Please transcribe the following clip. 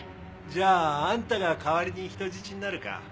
じゃああんたが代わりに人質になるか？